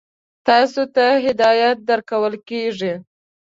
تاسو ته هدایت درکول کېږي.